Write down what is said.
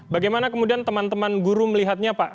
bagaimana kemudian teman teman guru melihatnya pak